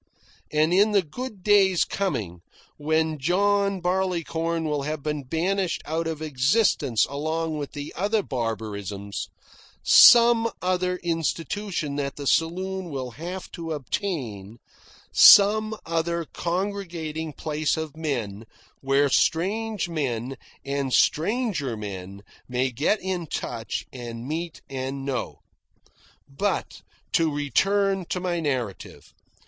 And in the good days coming, when John Barleycorn will have been banished out of existence along with the other barbarisms, some other institution than the saloon will have to obtain, some other congregating place of men where strange men and stranger men may get in touch, and meet, and know. But to return to my narrative.